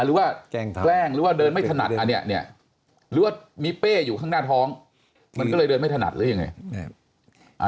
หรือว่าแกล้งหรือว่าเดินไม่ถนัดอันนี้เนี่ยหรือว่ามีเป้อยู่ข้างหน้าท้องมันก็เลยเดินไม่ถนัดหรือยังไง